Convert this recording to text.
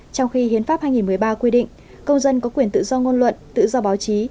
trong khi hiến pháp hai nghìn một mươi ba quy định công dân có quyền tự do ngôn luận tự do báo chí